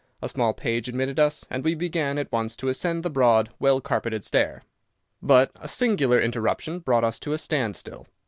A small page admitted us, and we began at once to ascend the broad, well carpeted stair. But a singular interruption brought us to a standstill.